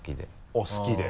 あっ好きで？